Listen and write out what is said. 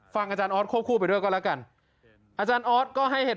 ฟังอาจารย์ออสควบคู่ไปด้วยก็แล้วกัน